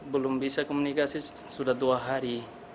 belum bisa komunikasi sudah dua hari